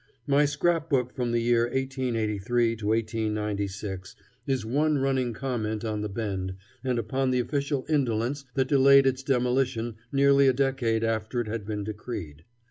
My scrap book from the year 1883 to 1896 is one running comment on the Bend and upon the official indolence that delayed its demolition nearly a decade after it had been decreed.